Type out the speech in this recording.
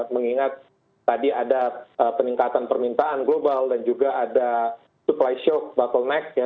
mengingat tadi ada peningkatan permintaan global dan juga ada supply shock bottleneck ya